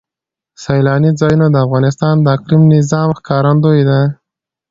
سیلانی ځایونه د افغانستان د اقلیمي نظام ښکارندوی ده.